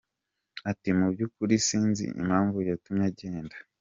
Ati ’’Mu by’ukuri sinzi impamvu yatumye agenda.